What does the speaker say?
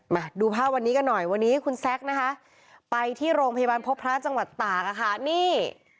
มาดูภาพวันนี้กันหน่อยวันนี้คุณแซคนะคะไปที่โรงพยาบาลพบพระจังหวัดตากอะค่ะนี่